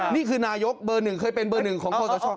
นี่คือนายกเบอร์๑เคยเป็นเบอร์๑ของโคตรชอบ